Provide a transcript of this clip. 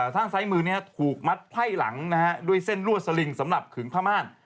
ท่านซ้ายมือถูกมัดไพ่หลังด้วยเส้นรั่วสลิงสำหรับขึงพระม่าน